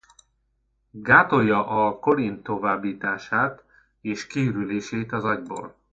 Gátolja a kolin továbbítását és kiürülését az agyból.